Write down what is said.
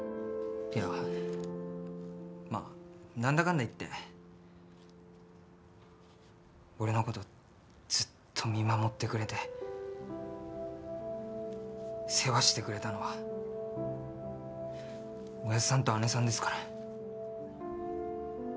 いやまぁ何だかんだ言って俺のことずっと見守ってくれて世話してくれたのはおやっさんと姐さんですから。